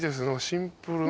シンプル。